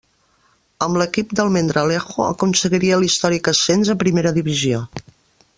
Amb l'equip d'Almendralejo aconseguiria l'històric ascens a primera divisió.